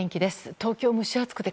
東京、蒸し暑くて